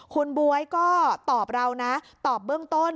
คุณบ๊วยก็ตอบเรานะตอบเบื้องต้น